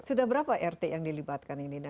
sudah berapa rt yang dilibatkan ini